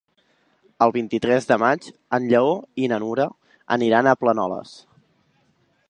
El vint-i-tres de maig en Lleó i na Nura aniran a Planoles.